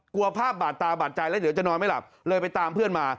กลัวภาพบาดตาบาดใจแล้วเดี๋ยวจะนอนไม่หลับเลยไปตามเพื่อนมา